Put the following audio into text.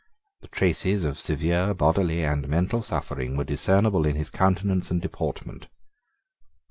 The traces of severe bodily and mental suffering were discernible in his countenance and deportment.